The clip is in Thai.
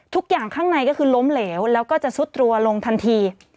ทุกอย่างข้างในก็คือล้มเหลวแล้วก็จะซุดตัวลงทันที